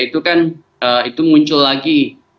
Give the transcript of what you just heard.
itu kan muncul lagi